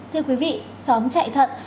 thưa quý vị xóm chạy thận